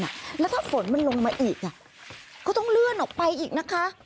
แล้วถ้าฝนมันลงมาอีกอ่ะก็ต้องเลื่อนออกไปอีกนะคะ